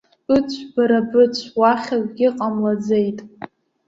Быцә, бара, быцә, уахь акгьы ҟамлаӡеит.